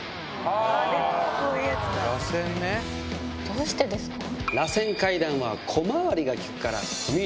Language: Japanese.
どうしてですか？